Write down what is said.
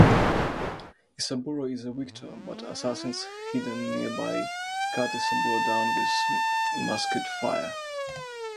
Isaburo is the victor, but assassins hidden nearby cut Isaburo down with musket fire.